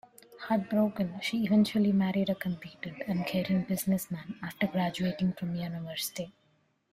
Heartbroken, she eventually married a competent and caring businessman after graduating from university.